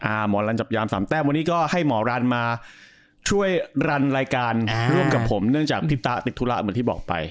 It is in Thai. หมอลันจับยามสามแต้มวันนี้ก็ให้หมอรันมาช่วยรันรายการร่วมกับผมเนื่องจากพี่ตาติดธุระเหมือนที่บอกไป